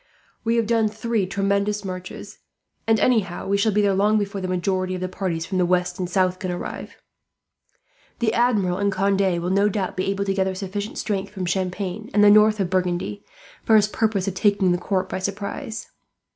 We have done three tremendous marches, and anyhow, we shall be there long before the majority of the parties from the west and south can arrive. The Admiral and Conde will no doubt be able to gather sufficient strength, from Champagne and the north of Burgundy, for his purpose of taking the court by surprise.